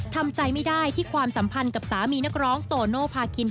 ทำใจไม่ได้ที่ความสัมพันธ์กับสามีนักร้องโตโนภาคิน